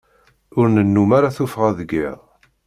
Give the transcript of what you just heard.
Ur nennum ara tuffɣa deg iḍ.